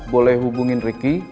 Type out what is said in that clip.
boleh hubungin riki